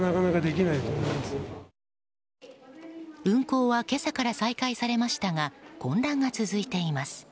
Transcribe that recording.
運航は今朝から再開されましたが混乱が続いています。